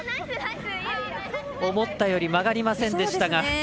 思ったより曲がりませんでしたが。